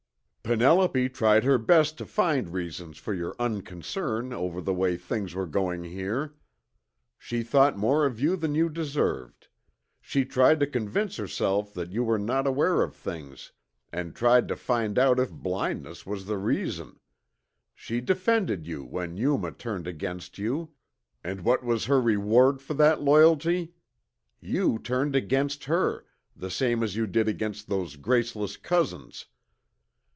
"Penelope tried her best to find reasons for your unconcern over the ways things were going here. She thought more of you than you deserved. She tried to convince herself that you were not aware of things, and tried to find out if blindness was the reason. She defended you when Yuma turned against you; and what was her reward for that loyalty? You turned against her, the same as you did against those graceless cousins.